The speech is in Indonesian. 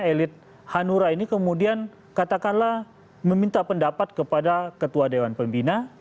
elit hanura ini kemudian katakanlah meminta pendapat kepada ketua dewan pembina